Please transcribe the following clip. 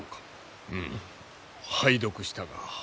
うむ拝読したが。